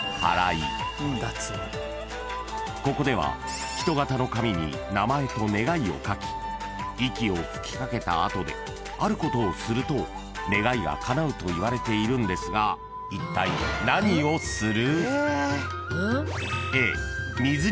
［ここでは人形の紙に名前と願いを書き息を吹き掛けた後であることをすると願いがかなうといわれているんですがいったい何をする？］